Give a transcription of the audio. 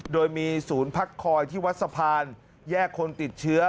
โดยมีศูนย์พักคอยที่วัดสะพานแยกคนติดเชื้อ